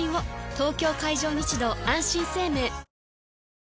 東京海上日動あんしん生命んー！